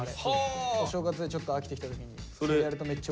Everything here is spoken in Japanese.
お正月でちょっと飽きてきた時にそれやるとめっちゃおいしいから。